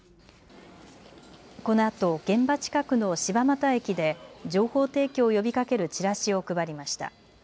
このあと現場近くの柴又駅で情報提供を呼びかけるチラシを配りました。